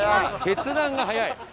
決断が早い。